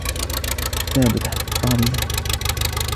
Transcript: الكتاب تحت الطاولة.